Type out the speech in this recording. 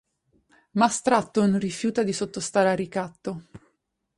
Ma Stratton rifiuta di sottostare al ricatto.